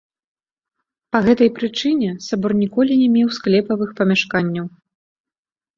Па гэтай прычыне сабор ніколі не меў склепавых памяшканняў.